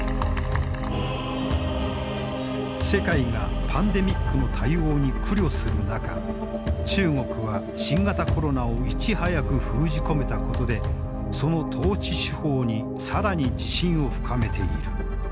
世界がパンデミックの対応に苦慮する中中国は新型コロナをいち早く封じ込めたことでその統治手法に更に自信を深めている。